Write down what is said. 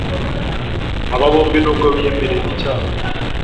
Aba bombi n’ubwo biyemerera icyaha